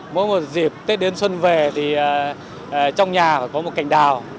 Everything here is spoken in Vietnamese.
mỗi một dịp tết đến xuân về thì trong nhà phải có một cành đào